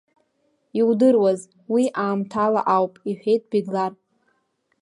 Иудыруаз, уи аамҭала ауп, — иҳәеит Бегьлар.